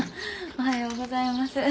おはようございます。